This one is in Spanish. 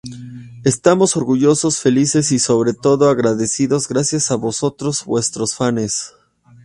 Estamos orgullosos, felices y, sobre todo, agradecidos; gracias a vosotros, nuestros fanes.